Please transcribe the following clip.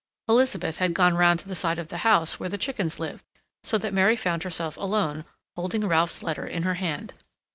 Elizabeth had gone round to the side of the house, where the chickens lived, so that Mary found herself alone, holding Ralph's letter in her hand.